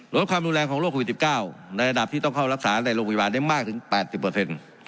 ลดความรุนแรงของโควิด๑๙ในระดับที่ต้องเข้ารักษาในโรงพยาบาลได้มากถึง๘๐